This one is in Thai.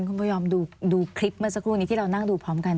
คุณผู้ชมดูคลิปเมื่อสักครู่นี้ที่เรานั่งดูพร้อมกัน